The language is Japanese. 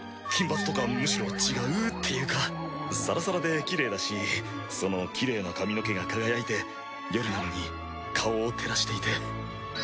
金髪とかむしろ違うっていうかサラサラできれいだしそのきれいな髪の毛が輝いて夜なのに顔を照らしていて。